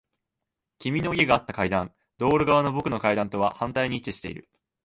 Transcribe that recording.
君の家があった階段。道路側の僕の階段とは反対に位置している。